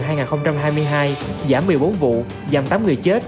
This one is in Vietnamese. giảm một mươi bốn vụ giảm tám người chết